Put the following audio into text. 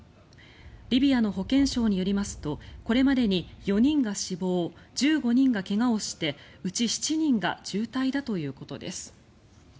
リビアの保健相によりますとこれまでに４人が死亡１５人が怪我をして、うち７人が重体だということです。